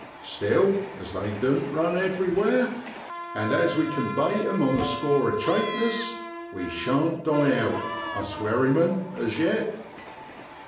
Still, as they doan't run everywhere, and as we can bate them on the score of chapeness, we shan't die out, us wherrymen, as yet.